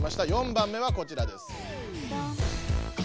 ４番目はこちらです。